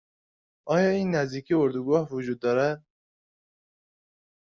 آیا این نزدیکی اردوگاه وجود دارد؟